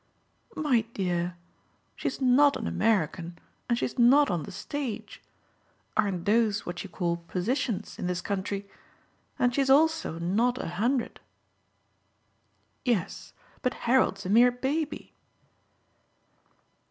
"My dear, she's not an American and she's not on the stage. Aren't those what you call positions in this country? And she's also not a hundred." "Yes, but Harold's a mere baby."